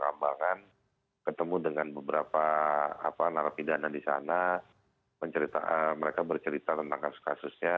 perambangan ketemu dengan beberapa apa narapidana di sana mencerita mereka bercerita tentang kasusnya